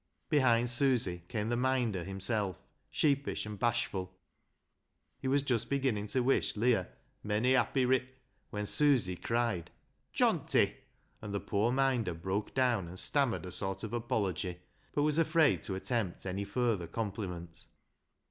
Behind Susy came the " Minder " himself — sheepish and bashful. He was just beginning to wish Leah " Many happy re ," when Susy cried, " Johnty !" and the poor Minder broke down and stammered a sort of apology, but was afraid to attempt any further compliment.